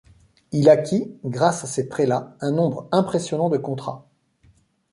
Il acquit, grâce à ces prélats, un nombre impressionnant de contrats.